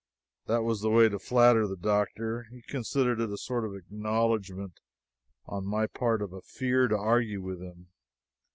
That was the way to flatter the doctor. He considered it a sort of acknowledgment on my part of a fear to argue with him.